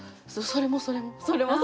それもそれも！